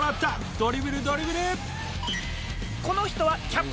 ドリブルドリブル！」